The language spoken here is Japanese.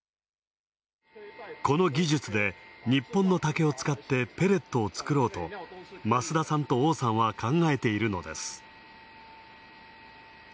この技術で日本の竹を使ってペレットを作ろうと、増田さんと王さんは考えているのです。